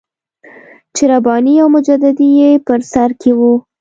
چې رباني او مجددي یې په سر کې وو.